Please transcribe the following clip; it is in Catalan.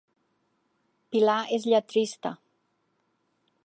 Pilar és lletrista